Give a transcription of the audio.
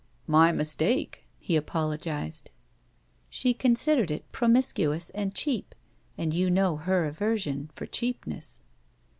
"My mistake," he apologized. She considered it promiscuous and cheap, and you know her aversion for cheapness.